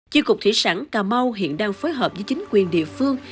chiêu cục thủy sản cà mau hiện đang phối hợp với chính quyền địa phương